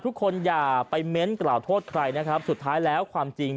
อย่าไปเม้นกล่าวโทษใครนะครับสุดท้ายแล้วความจริง